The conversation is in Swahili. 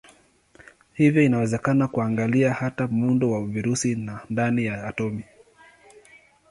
Hivyo inawezekana kuangalia hata muundo wa virusi na ndani ya atomi.